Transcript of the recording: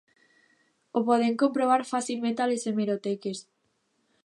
Ho podem comprovar fàcilment a les hemeroteques.